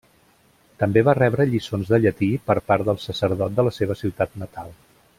També va rebre lliçons de llatí per part del sacerdot de la seva ciutat natal.